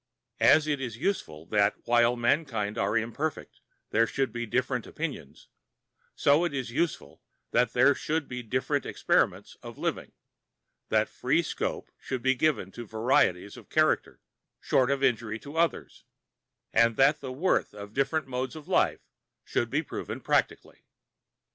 As it is useful that while mankind are imperfect there should be different opinions, so it is useful that there should be different experiments of living, that free scope should be given to varieties of character short of injury to others, and that the worth of different modes of life should be proved practically.